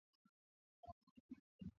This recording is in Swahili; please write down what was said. Asilimia mbili nchini Rwanda, tatu